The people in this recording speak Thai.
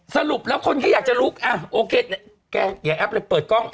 สรุปแล้วคนก็อยากจะลุกอ่ะโอเคแกอย่าแอปเลยเปิดกล้อง